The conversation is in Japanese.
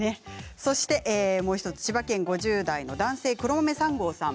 そして、もう１つ千葉県５０代の男性の方からです。